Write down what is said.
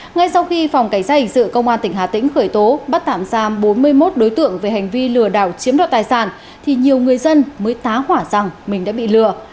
ngay sau khi phòng cảnh sát hình sự công an tỉnh hà tĩnh khởi tố bắt tạm giam bốn mươi một đối tượng về hành vi lừa đảo chiếm đoạt tài sản thì nhiều người dân mới tá hỏa rằng mình đã bị lừa